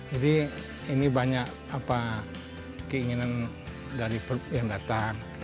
jadi ini banyak keinginan dari peluk yang datang